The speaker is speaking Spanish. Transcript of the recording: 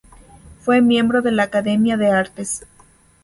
Fue miembro de la Academia de Artes.